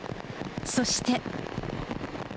そして。